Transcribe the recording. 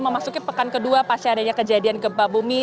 memasuki pekan kedua pas adanya kejadian kebabumi